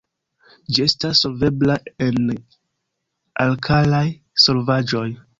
Ĝi estas solvebla en alkalaj solvaĵoj.